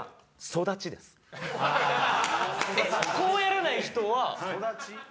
えっこうやらない人は。